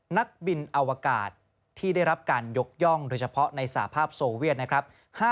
นักบินอวกาศที่ได้รับการยกย่องโดยเฉพาะในสาภาพโซเวียตนะครับ